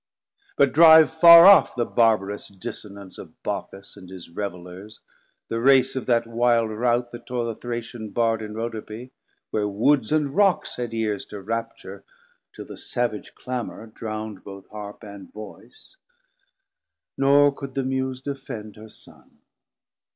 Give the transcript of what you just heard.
But drive farr off the barbarous dissonance Of Bacchus and his Revellers, the Race Of that wilde Rout that tore the Thracian Bard In Rhodope, where Woods and Rocks had Eares To rapture, till the savage clamor dround Both Harp and Voice; nor could the Muse defend Her Son.